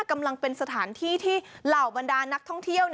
กำลังเป็นสถานที่ที่เหล่าบรรดานักท่องเที่ยว